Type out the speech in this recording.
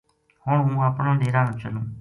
ہُن ہوں اپنا ڈیرا نا چلوں